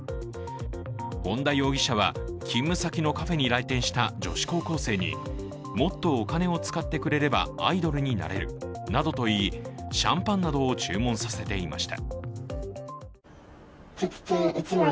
本田容疑者は勤務先のカフェに来店した女子高校生にもっとお金を使ってくれればアイドルになれるなどと言いシャンパンなどを注文させていました。